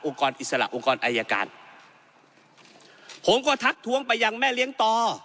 อิสระองค์กรอายการผมก็ทักท้วงไปยังแม่เลี้ยงต่อ